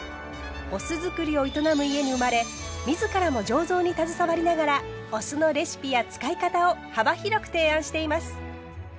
お酢造りを営む家に生まれ自らも醸造に携わりながらお酢のレシピや使い方を幅広く提案しています。